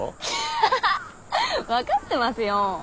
アッハハハ分かってますよー。